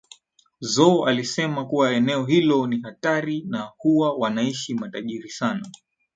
Zo alisema kuwa eneo hilo ni hatari na huwa wanaishi matajiri sana